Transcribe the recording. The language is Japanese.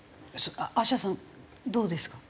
あしやさんどうですか？